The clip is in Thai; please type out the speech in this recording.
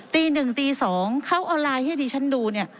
ตี๑ตี๒เขาเอาลายให้ดิฉันดู